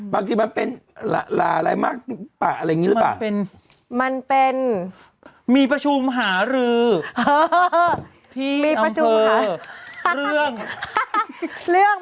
บางทีมันเป็นลาลาอะไรมากป่ะอะไรอย่างงี้หรือเปล่ามันเป็นมีประชุมหารือที่มีประชุมหาเรื่องเรื่อง